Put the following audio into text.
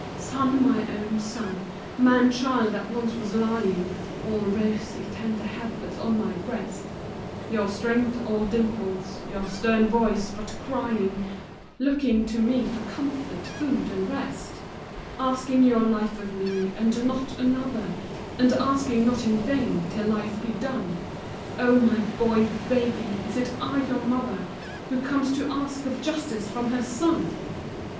Son my own son! Man child that once was lying All rosy, tender, helpless on my breast, Your strength all dimples, your stern voice but crying, Looking to me for comfort, food and rest, Asking your life of me, and not another And asking not in vain till life be done Oh, my boy baby! Is it I, your mother, Who comes to ask of justice from her son?